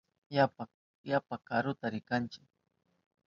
Yapa karuta rinkanchi.